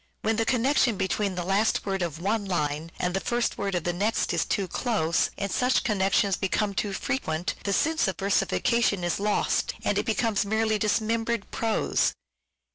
When the connection between the last word of one line and the first word of the next is too close, and such connections become too frequent, the sense of versifica tion is lost and it becomes merely dismembered prose.